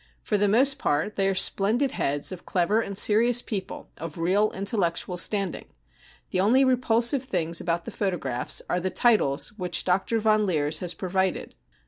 For the most part they are splendid heads of clever and serious people of real intellectual standing. The only repulsive things about the photographs are the titles which Dr. Von Leers has provided.